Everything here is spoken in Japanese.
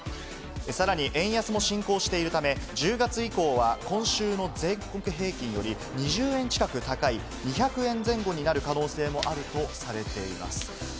さらに円安も進行しているため、１０月以降は今週の全国平均より２０円近く高い、２００円前後になる可能性もあるとされています。